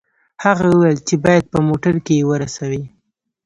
هغه وویل چې باید په موټر کې یې ورسوي